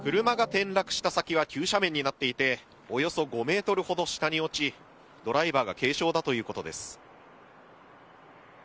車が転落した先は急斜面になっていておよそ５ｍほど下に落ちドライバーが軽傷だということです。